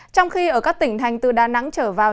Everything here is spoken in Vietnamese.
trong khi ở các tỉnh thành từ đà nẵng trở vào